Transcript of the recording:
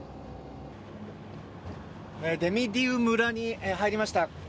デミディウ村に入りました。